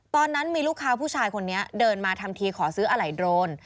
ตอนนั้นมีลูกค้าผู้ชายคนนี้เดินมาทำทีขอซื้ออะไหล่โดรน